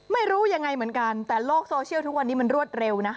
ไม่รู้ยังไงเหมือนกันแต่โลกโซเชียลทุกวันนี้มันรวดเร็วนะ